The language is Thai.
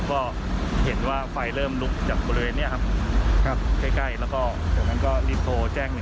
ก็เห็นว่าไฟเริ่มลุกจากบริเวณนี้ครับใกล้แล้วก็จากนั้นก็รีบโทรแจ้ง๑